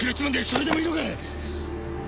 それでもいいのか！